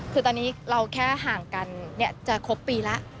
คือตอนนี้เราแค่ห่างกันจะครบปีแล้ว